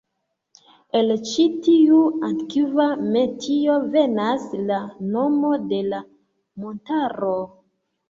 El ĉi tiu antikva metio venas la nomo de la montaro.